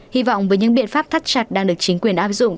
hy vọng với những biện pháp thắt chặt đang được chính quyền áp dụng